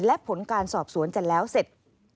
และผลการสอบสวนจะแล้วเสร็จ